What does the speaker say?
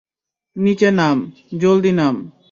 নিচে নাম, জলদি নাম।